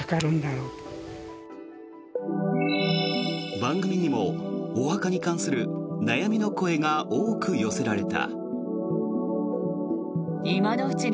番組にもお墓に関する悩みの声が多く寄せられた。